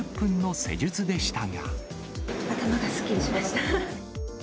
頭がすっきりしました。